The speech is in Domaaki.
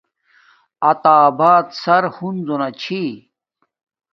عطا آباد سر ہنزو نا چھی